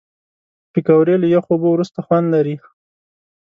پکورې له یخو اوبو وروسته خوند لري